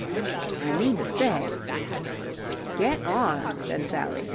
"I mean to say..." "Get on," said Sally.